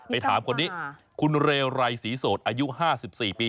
ถามคนนี้คุณเรไรศรีโสดอายุ๕๔ปี